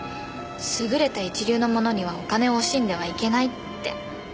優れた一流のものにはお金を惜しんではいけないって。